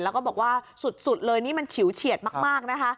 แล้วก็บอกว่าสุดเลยมันฉิวเฉียดมาก